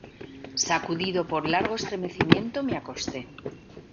sacudido por largo estremecimiento me acosté.